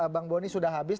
bang boni sudah habis